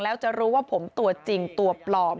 แล้วจะรู้ว่าผมตัวจริงตัวปลอม